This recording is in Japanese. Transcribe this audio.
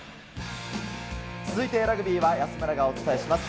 続いてラグビーは安村がお伝えします。